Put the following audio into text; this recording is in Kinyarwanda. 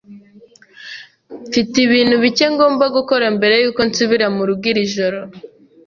Mfite ibintu bike ngomba gukora mbere yuko nsubira murugo iri joro.